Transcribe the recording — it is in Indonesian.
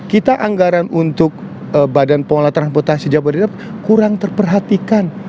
kita anggaran untuk badan pembangunan jabodetabek kurang terperhatikan